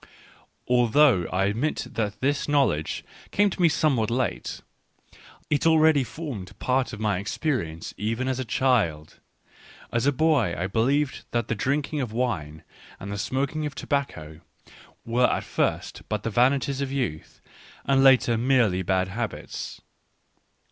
Although I admit that this knowledge came to me somewhat late, it already formed part of my experience even as a child. As a boy I believed that the drinking of wine and the smoking of tobacco were at first but the vanities of youths, and later merely bad habits.